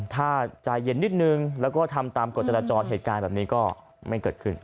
ถ้าใจเย็นนิดนึงแล้วก็ทำตามกฎจราจรเหตุการณ์แบบนี้ก็ไม่เกิดขึ้น